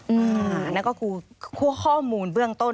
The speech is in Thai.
อืมแล้วก็คือข้อมูลเบื้องต้น